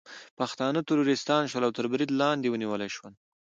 پښتانه ترورستان شول او تر برید لاندې ونیول شول